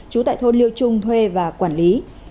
chú tại thôn liêu trung thuê và bắt giữ